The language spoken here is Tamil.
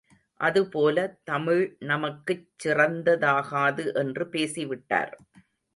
அதுபோல தமிழ் நமக்குச் சிறந்ததாகாது என்று பேசிவிட்டார்.